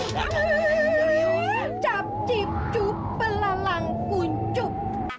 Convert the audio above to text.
cap cip cu pelalang kuncup